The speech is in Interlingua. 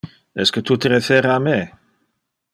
Esque tu te refere a me?